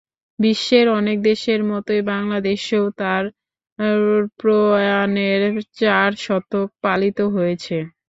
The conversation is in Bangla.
বিশ্বের অনেক দেশের মতোই বাংলাদেশেও তাঁর প্রয়াণের চার শতক পালিত হয়েছে।